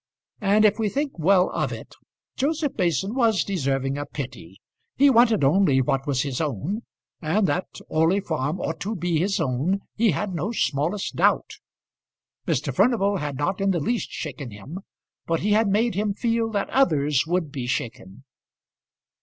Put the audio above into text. And, if we think well of it, Joseph Mason was deserving of pity. He wanted only what was his own; and that Orley Farm ought to be his own he had no smallest doubt. Mr. Furnival had not in the least shaken him; but he had made him feel that others would be shaken.